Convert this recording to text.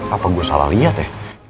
apa gue salah lihat ya